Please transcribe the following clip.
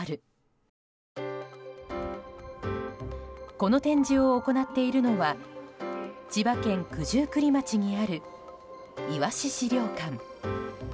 この展示を行っているのは千葉県九十九里町にあるいわし資料館。